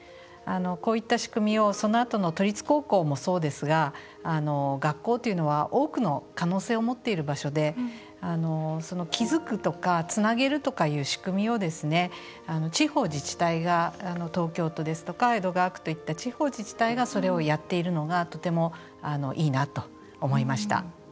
こういった仕組みをそのあとの都立高校もそうですが学校というのは多くの可能性を持っている場所で気づくとかつなげるとかいう仕組みを地方自治体が東京都ですとか江戸川区といった地方自治体がそれをやっているのがとてもいいなと思いました。